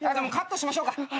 カットしましょうか。